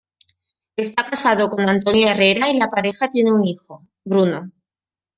Está casado con Antonia Herrera y la pareja tiene un hijo, Bruno.